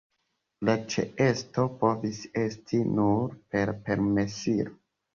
La ĉeesto povis esti nur per permesilo.